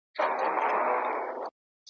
ځکه چي دا په طبیعي لحاظ ممکنه خبره نه ده ,